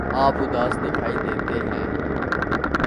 آپ اداس دکھائی دیتے ہیں